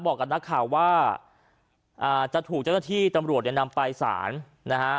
บอกกับนักข่าวว่าอ่าจะถูกเจ้าหน้าที่ตำรวจเนี่ยนำไปสารนะฮะ